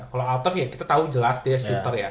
kalau altaf ya kita tahu jelas dia shooter ya